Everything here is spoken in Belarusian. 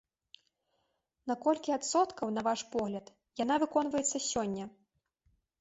На колькі адсоткаў, на ваш погляд, яна выконваецца сёння?